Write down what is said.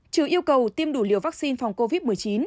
trừ yêu cầu tiêm đủ liều vaccine